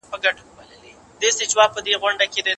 استاد وویل چې د مور او پلار خدمت جنت ته لاره ده.